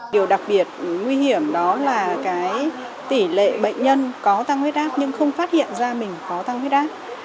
điều đặc biệt nguy hiểm đó là tỷ lệ bệnh nhân có tăng huyết áp nhưng không phát hiện ra mình có tăng huyết áp